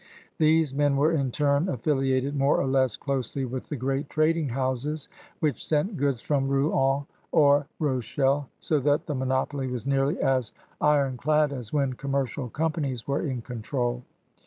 These men were, in turn, afliliated more or less closely with the great trading houses which sent goods from Rouen or AGRICULTURE, INDUSTRY, AND TRADE 201 Rochelle, so that the monopoly was nearly as iron clad as when commercial companies were in control.